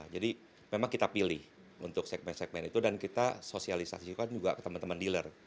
jadi memang kita pilih untuk segmen segmen itu dan kita sosialisasi juga ke teman teman dealer